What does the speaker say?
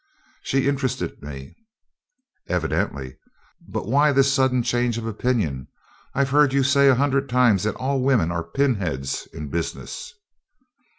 "She interested me." "Evidently. But why this sudden change of opinion? I've heard you say a hundred times that all women are pinheads in business."